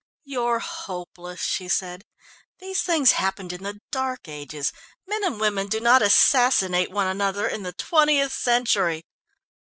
"You're hopeless," she said. "These things happened in the dark ages; men and women do not assassinate one another in the twentieth century."